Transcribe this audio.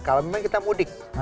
kalau memang kita mudik